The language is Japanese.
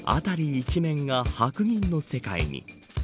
一面が白銀の世界に。